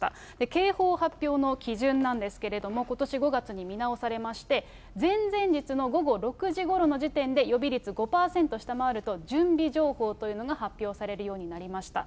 警報発表の基準なんですけれども、ことし５月に見直されまして、前々日の午後６時ごろの時点で、予備率５％下回ると準備情報というのが発表されるようになりました。